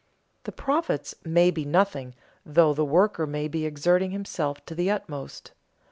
The "profits" may be nothing, though the worker may be exerting himself to the utmost.